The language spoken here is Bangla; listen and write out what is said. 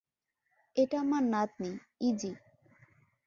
এটা আমার নাতনি, ইযি।